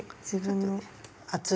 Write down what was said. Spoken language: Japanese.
自分のわ。